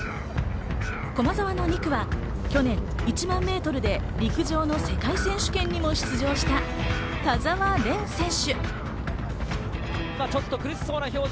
駒澤の２区は去年、１００００ｍで陸上の世界選手権にも出場した田澤廉選手。